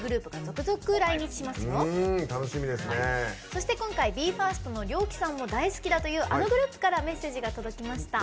そして今回ＢＥ：ＦＩＲＳＴのＲＹＯＫＩさんも大好きだというあのグループからメッセージが届きました。